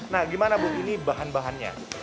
nah gimana bu ini bahan bahannya